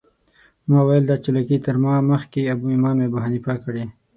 ما ویل دا چالاکي تر ما مخکې امام ابوحنیفه کړې.